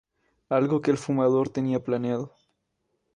Algo que el Fumador tenía planeado.